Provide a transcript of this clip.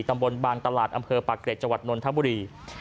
ตำรวจบางตลาดอำเภอปากเกร็จจนธบุรี